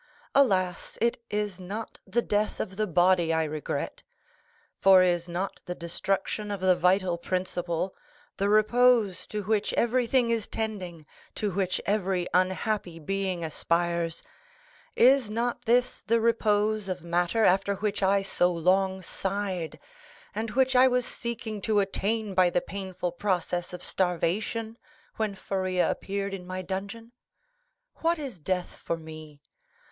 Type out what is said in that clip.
Alas, it is not the death of the body I regret; for is not the destruction of the vital principle, the repose to which everything is tending, to which every unhappy being aspires,—is not this the repose of matter after which I so long sighed, and which I was seeking to attain by the painful process of starvation when Faria appeared in my dungeon? What is death for me?